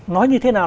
nói như thế nào